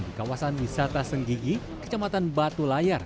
di kawasan wisata senggigi kecamatan batu layar